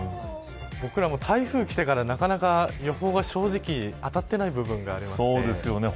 僕らも台風きてからなかなか予報が、正直当たっていない部分がありますね。